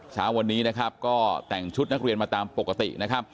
ช้าวันนี้ก็แต่งชุดนักเรียนมาตามปกติ